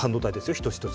一つ一つ。